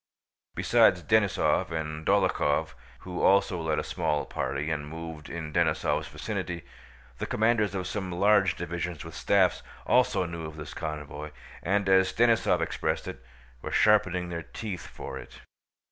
Besides Denísov and Dólokhov (who also led a small party and moved in Denísov's vicinity), the commanders of some large divisions with staffs also knew of this convoy and, as Denísov expressed it, were sharpening their teeth for it.